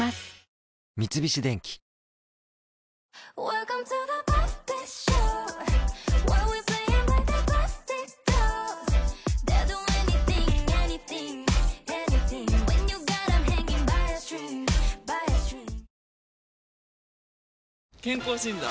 三菱電機健康診断？